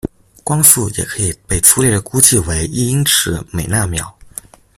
光速也可以被初略地估计为一英尺每纳秒。